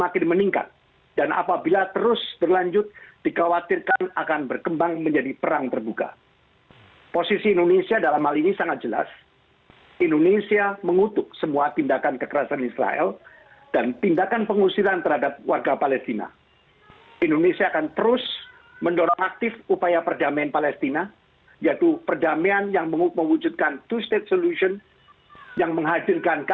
vivre trata wilayah unares prest czyli were not fellaba thatself padal donir kamara nilai dart